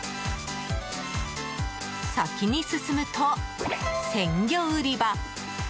先に進むと、鮮魚売り場。